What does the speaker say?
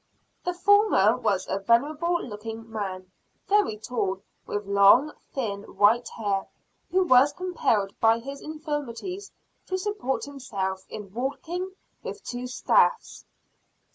The former was a venerable looking man, very tall, with long, thin white hair, who was compelled by his infirmities to support himself in walking with two staffs.